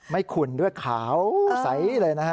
ไม่คุณด้วยเขาใส่เลยนะฮะ